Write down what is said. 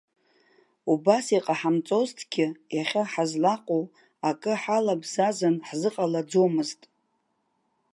Убас иҟаҳамҵозҭгьы, иахьа ҳазлаҟоу акы ҳалабзазан ҳзыҟалаӡомызт.